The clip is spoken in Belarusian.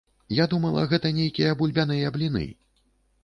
Я думала, гэта нейкія бульбяныя бліны.